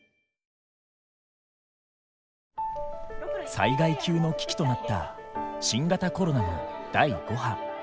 災害級の危機となった新型コロナの第５波。